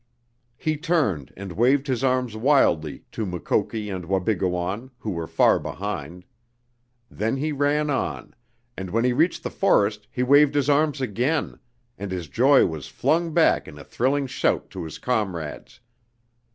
He turned and waved his arms wildly to Mukoki and Wabigoon, who were far behind. Then he ran on, and when he reached the forest he waved his arms again, and his joy was flung back in a thrilling shout to his comrades.